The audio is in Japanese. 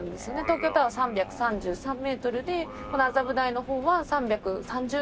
東京タワー３３３メートルでこの麻布台の方は３３０メートルです。